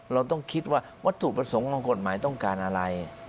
เราต้องคิดว่าวัตถุประสงค์ของกฎหมายต้องการอะไร